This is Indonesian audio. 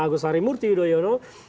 agus harimurti udo yono